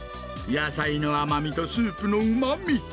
野菜の甘みとスープのうまみ。